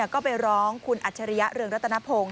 ก็ไปร้องคุณอัจฉริยะเรืองรัตนพงศ